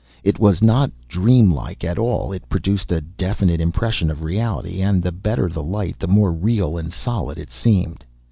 It was not dream like at all: it produced a definite impression of reality, and the better the light the more real and solid it seemed.